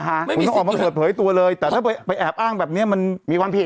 คุณต้องออกมาเปิดเผยตัวเลยแต่ถ้าไปแอบอ้างแบบนี้มันมีความผิด